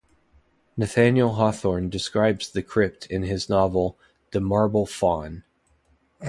Nathaniel Hawthorne describes the crypt in his novel "The Marble Faun".